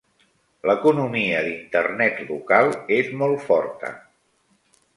L'economia d'Internet local és molt forta.